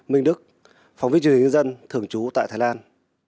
minh đức phóng viên chủ tịch nhân dân thường trú tại thái lan